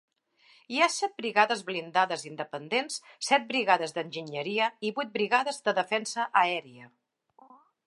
Hi ha set brigades blindades independents, set brigades d'enginyeria i vuit brigades de defensa aèria.